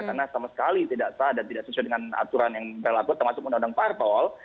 karena sama sekali tidak sah dan tidak sesuai dengan aturan yang berlaku termasuk undang undang partol